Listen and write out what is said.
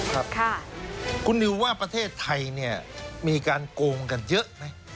ครับคุณนิวว่าประเทศไทยเนี่ยมีการโกงกันเยอะไหม